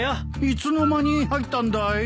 いつの間に入ったんだい？